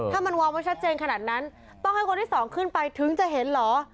ถ้ามันวางไว้ชัดเจนขนาดนั้นต้องให้คนที่สองขึ้นไปถึงจะเห็นเหรอ